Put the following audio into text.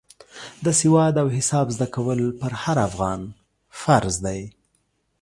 د سواد او حساب زده کول پر هر افغان فرض دی.